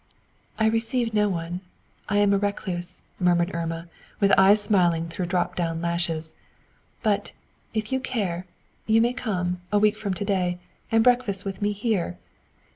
"I receive no one; I am a recluse," murmured Irma, with eyes smiling through down dropped lashes; "but, if you care, you may come, a week from to day, and breakfast with me here!